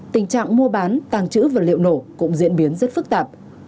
tình trạng mua bán tàng trữ vật liệu nổ cũng diễn biến rất phức tạp